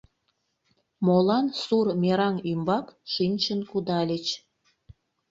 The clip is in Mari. Молан сур мераҥ ӱмбак шинчын кудальыч?